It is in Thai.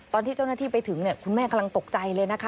ตอนที่เจ้าหน้าที่ไปถึงคุณแม่กำลังตกใจเลยนะคะ